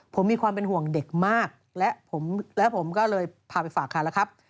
ผมมีความเป็นห่วงเด็กมากและผมก็เลยพาไปฝากคันแล้วครับ